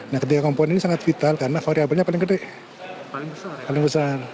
nah ketiga komponen ini sangat vital karena variabelnya paling gede paling besar